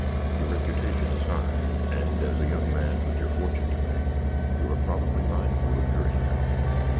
Your reputation is high, and, as a young man with your fortune to make, you are probably mindful of your interest.